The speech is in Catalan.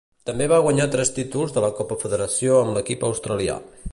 També va guanyar tres títols de la Copa Federació amb l'equip australià.